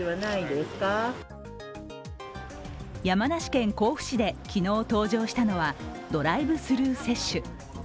山梨県甲府市で昨日登場したのは、ドライブスルー接種。